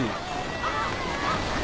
あっ！